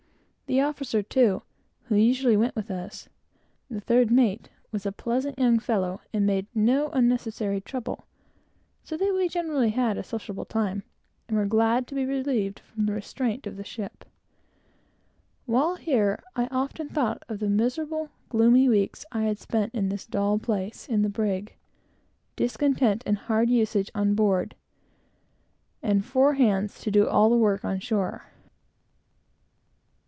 The officer, too, who usually went with us, the third mate, was a fine young fellow, and made no unnecessary trouble; so that we generally had quite a sociable time, and were glad to be relieved from the restraint of the ship. While here, I often thought of the miserable, gloomy weeks we had spent in this dull place, in the brig; discontent and hard usage on board, and four hands to do all the work on shore.